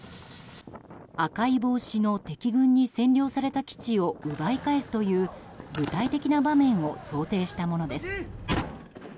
赤い帽子の敵軍に占領された基地を奪い返すという具体的な場面を想定したものです。